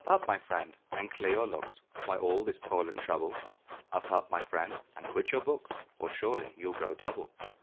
up! my friend, and clear your looks, Why all this toil and trouble? Up! up! my friend, and quit your books, Or surely you'll grow double.